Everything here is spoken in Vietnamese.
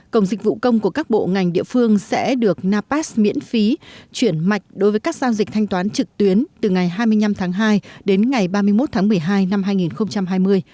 cổng dịch vụ công của các bộ ngành địa phương sẽ được napas miễn phí chuyển mạch đối với các giao dịch thanh toán trực tuyến từ ngày hai mươi năm tháng hai đến ngày ba mươi một tháng một mươi hai năm hai nghìn hai mươi